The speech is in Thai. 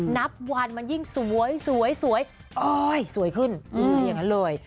นับวันมันยิ่งสวยสวยโอ๊ยสวยขึ้นอย่างนั้นเลย